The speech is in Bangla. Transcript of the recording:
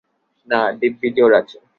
না, দিব্যি জোর আছে।